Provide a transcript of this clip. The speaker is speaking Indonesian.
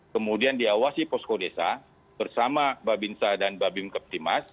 kemudian diawasi posko desa bersama babinsa dan babim keptimas